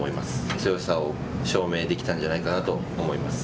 強さを証明できたんじゃないかなと思います。